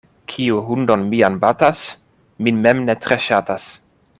Kiu hundon mian batas, min mem ne tre ŝatas.